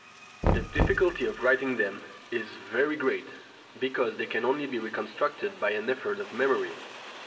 The difficulty of writing them is very great, because they can only be reconstructed by an effort of memory.